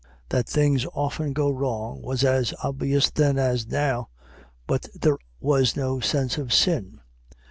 That things often go wrong was as obvious then as now, but there was no sense of sin.